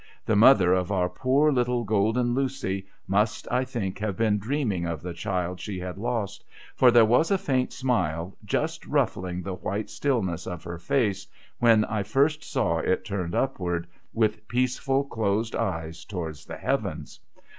The mother of our poor little Golden Lucy must, I think, have been dreaming of the child she had lost ; for there was a faint smile just ruffling the white stillness of her face, when I first saw it turned upward, with peaceful closed eyes towards the heavens.